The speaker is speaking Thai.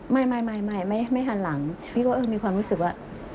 ไม่ไม่หันหลังพี่ก็เออมีความรู้สึกว่า